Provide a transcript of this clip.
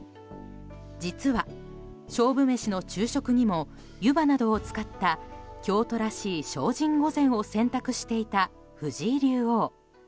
実は勝負メシの昼食にも湯葉などを使った京都らしい精進御膳を選択していた藤井竜王。